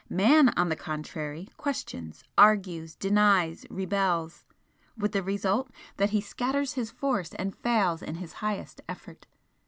Man, on the contrary, questions, argues, denies, rebels, with the result that he scatters his force and fails in his highest effort.